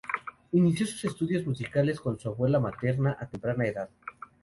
Inició sus estudios musicales con su abuela materna a temprana edad.